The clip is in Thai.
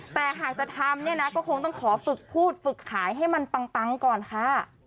แต่หากจะทำเนี่ยนะก็คงต้องขอฝึกพูดฝึกขายให้มันปังก่อนค่ะ